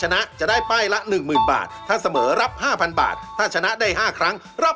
นี่ทั้งหมดนะครับ